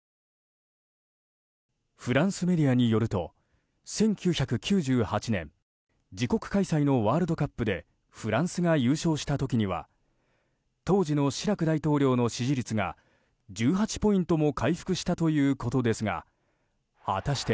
フランスメディアによると１９９８年自国開催のワールドカップでフランスが優勝した時には当時のシラク大統領の支持率が１８ポイントも回復したということですが果たして